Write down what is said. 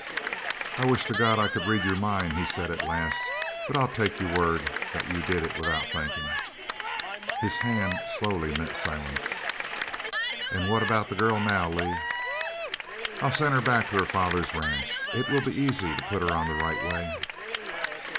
"I wish to God I could read your mind," he said at last, "but I'll take your word that you did it without thinking." His hand slowly met Silent's. "An' what about the girl now, Lee?" "I'll send her back to her father's ranch. It will be easy to put her on the right way."